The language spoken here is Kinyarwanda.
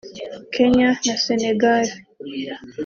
Kenya na Senegal